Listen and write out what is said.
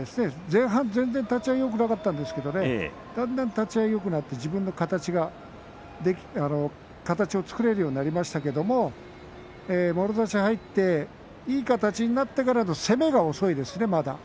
前半戦で立ち合いよくなかったですが、だんだん立ち合いがよくなって自分の形を作れるようになりましたけれどももろ差し、入っていい形になってからの攻めが遅いですねまだ。